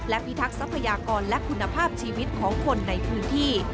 และพิทักษัพยากรและคุณภาพชีวิตของคนในพื้นที่